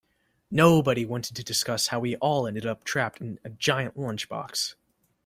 Nobody wanted to discuss how we all ended up trapped in a giant lunchbox.